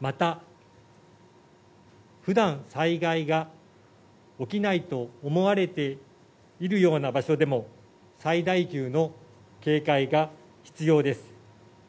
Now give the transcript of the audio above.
また、ふだん災害が起きないと思われているような場所でも、最大級の警戒が必要です。